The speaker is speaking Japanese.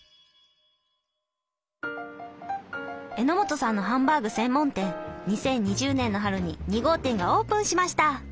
榎本さんのハンバーグ専門店２０２０年の春に２号店がオープンしました。